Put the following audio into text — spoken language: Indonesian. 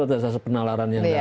atau sesuatu penalaran yang ada